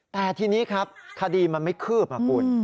แต่ทีนี้ครับคดีมันไม่คืบคุณ